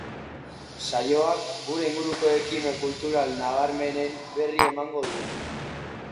Saioak, gure inguruko ekimen kultural nabarmenenen berri emango du.